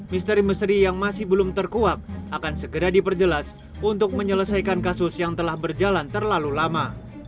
misteri misteri yang masih belum terkuak akan segera diperjelas untuk menyelesaikan kasus yang telah berjalan terlalu lama